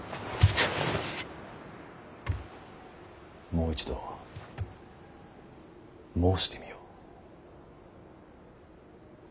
もう一度申してみよ。